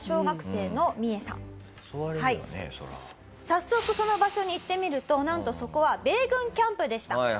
早速その場所に行ってみるとなんとそこは米軍キャンプでした。